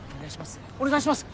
お願いします。